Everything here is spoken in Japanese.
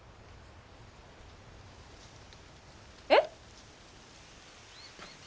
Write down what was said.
えっ！？